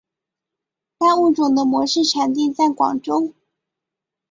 该物种的模式产地在广州。